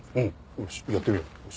よしやってみよう。